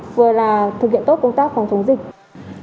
vừa là thực hiện tốt công tác phòng chống dịch